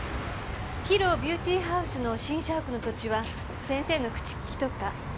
ＨＩＲＯビューティーハウスの新社屋の土地は先生の口利きとか？